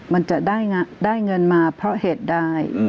มันจะได้เงินมาเพราะเหตุใด